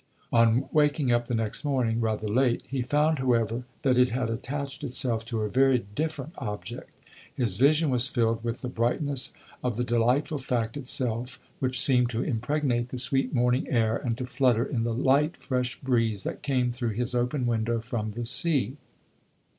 On waking up the next morning, rather late, he found, however, that it had attached itself to a very different object. His vision was filled with the brightness of the delightful fact itself, which seemed to impregnate the sweet morning air and to flutter in the light, fresh breeze that came through his open window from the sea.